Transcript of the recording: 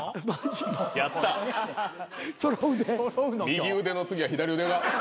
右腕の次は左腕が。